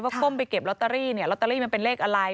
ก้มไปเก็บลอตเตอรี่เนี่ยลอตเตอรี่มันเป็นเลขอะไร